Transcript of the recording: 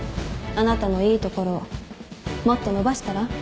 あなたのいいところをもっと伸ばしたら？